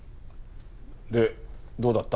でどうだった？